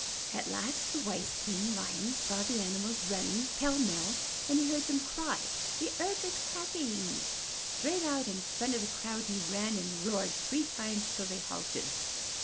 At last the wise King Lion saw the animals run ning pell mell, and he heard them cry, The earth is cracking!*' Straight out in front of the crowd he ran and roared three times till they halted.